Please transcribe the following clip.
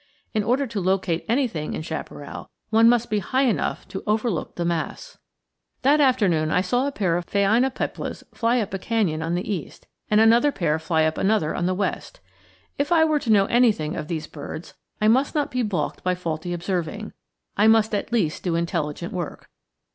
In order to locate anything in chaparral, one must be high enough to overlook the mass. That afternoon I saw a pair of phainopeplas fly up a canyon on the east, and another pair fly up another on the west. If I were to know anything of these birds, I must not be balked by faulty observing; I must at least do intelligent work.